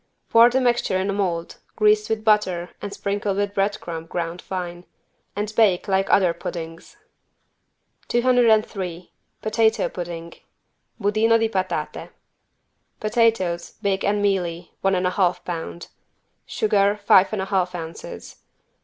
Pour the mixture in a mold greased with butter and sprinkled with bread crumb ground fine and bake like other puddings. 203 POTATO PUDDING (Budino di patate) Potatoes, big and mealy, one and a half lb. Sugar, five and a half ounces.